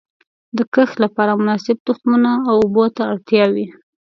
د کښت لپاره مناسب تخمونو او اوبو ته اړتیا وي.